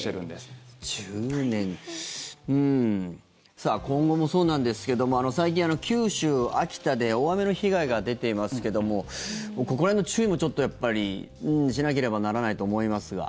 さあ、今後もそうなんですけども最近、九州、秋田で大雨の被害が出ていますけどもここら辺の注意もちょっとやっぱりしなければならないと思いますが。